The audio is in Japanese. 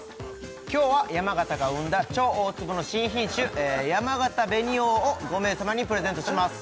今日は山形が生んだ超大粒の新品種やまがた紅王を５名様にプレゼントします